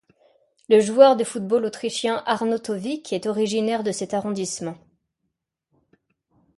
Le joueur de football autrichien Arnautović est originaire de cet arrondissement.